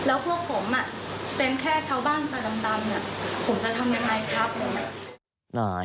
แล้วพวกเรานะถ้าเป็นแค่ชาวบ้านสมัยตระลำผมจะทำอย่างไรครับ